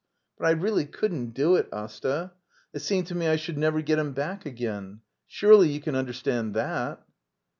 But I really couldn't do it, Asta. It seemed to me I should never get him back again. Surely you can understand that?